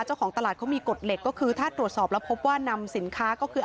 เจ้าของตลาดเขามีกฎเฉพาะแล้วพบว่านำสินค้าก็คือ